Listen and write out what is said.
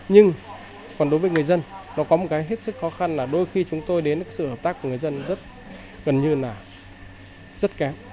nhưng còn đối với người dân nó có một cái hết sức khó khăn là đôi khi chúng tôi đến sự hợp tác của người dân rất gần như là rất kém